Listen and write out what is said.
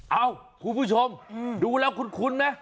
เอ้าคุณผู้ชมดูแล้วคุ้นไหม